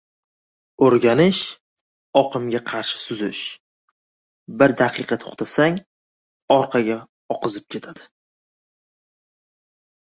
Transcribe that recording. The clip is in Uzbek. • O‘rganish — oqimga qarshi suzish, bir daqiqa to‘xtasang orqaga oqizib ketadi.